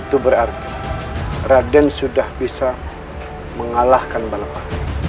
itu berarti raden sudah bisa mengalahkan balapan